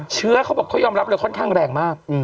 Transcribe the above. เขาบอกเขายอมรับเลยค่อนข้างแรงมาก